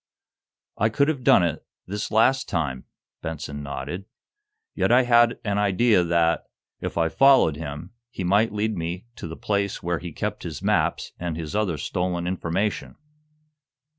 "I could have done it, this last time," Benson nodded. "Yet I had an idea that, if I followed him, he might lead me to the place where he kept his maps and his other stolen information.